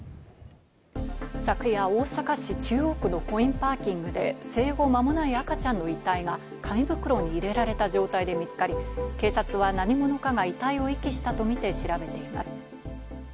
昨夜、大阪市中央区のコインパーキングで、生後まもない赤ちゃんの遺体が紙袋に入れられた状態で見つかり、警察は何者かが遺体を遺棄したとみて調べています。